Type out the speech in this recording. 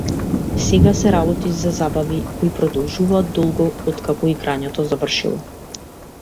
Сега се работи за забави кои продолжуваат долго откако играњето завршило.